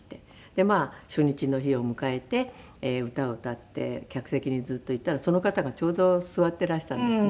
でまあ初日の日を迎えて歌を歌って客席にずっと行ったらその方がちょうど座っていらしたんですね。